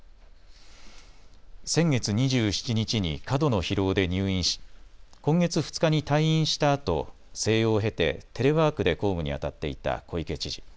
先月２７日に過度の疲労で入院し今月２日に退院したあと静養を経てテレワークで公務にあたっていた小池知事。